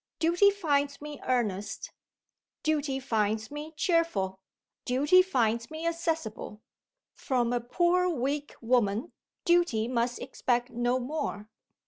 Duty finds me earnest; Duty finds me cheerful; Duty finds me accessible. From a poor, weak woman, Duty must expect no more.